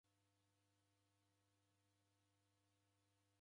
Mka obanda sa mlamba.